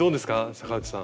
坂内さん。